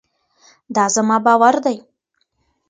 دا زما باور دی.